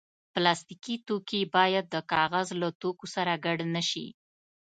پلاستيکي توکي باید د کاغذ له توکو سره ګډ نه شي.